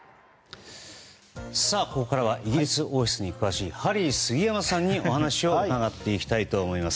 ここからはイギリス王室に詳しいハリー杉山さんに、お話を伺っていきたいと思います。